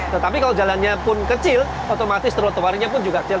tetapi kalau jalannya pun kecil otomatis trotoarnya pun juga kecil